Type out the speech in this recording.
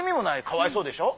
かわいそうでしょ。